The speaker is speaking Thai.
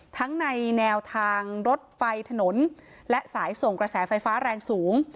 ทั้งในแนวทางรถไฟถนนและสายส่งกระแสไฟฟ้าแรงสูง